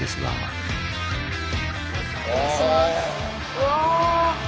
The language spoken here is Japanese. うわ。